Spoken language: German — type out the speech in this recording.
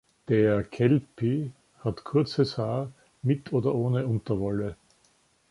Der Kelpie hat kurzes Haar mit oder ohne Unterwolle.